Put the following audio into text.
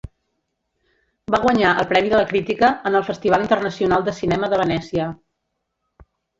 Va guanyar el Premi de la Crítica en el Festival Internacional de Cinema de Venècia.